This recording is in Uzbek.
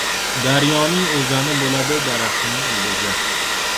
• Daryoning o‘zani bo‘ladi, daraxtning — ildizi.